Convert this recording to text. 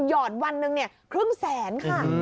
หอดวันหนึ่งครึ่งแสนค่ะ